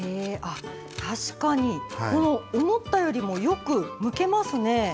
確かに、思ったよりもよくむけますね。